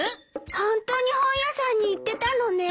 本当に本屋さんに行ってたのね。